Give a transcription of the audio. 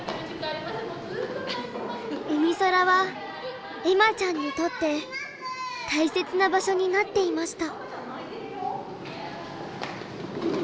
うみそらは恵麻ちゃんにとって大切な場所になっていました。